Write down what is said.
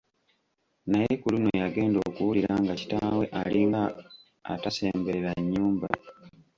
Naye ku luno yagenda okuwulira nga kitaawe alinga atasemberera nnyumba!